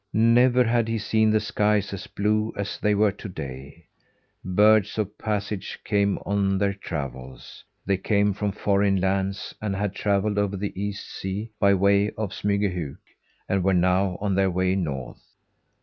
Never had he seen the skies as blue as they were to day. Birds of passage came on their travels. They came from foreign lands, and had travelled over the East sea, by way of Smygahuk, and were now on their way North.